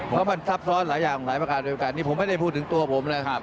เพราะมันซับซ้อนหลายอย่างหลายประการเดียวกันนี่ผมไม่ได้พูดถึงตัวผมนะครับ